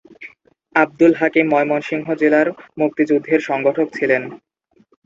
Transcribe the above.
আব্দুল হাকিম ময়মনসিংহ জেলার মুক্তিযুদ্ধের সংগঠক ছিলেন।